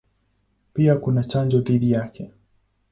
Pia kuna chanjo dhidi yake.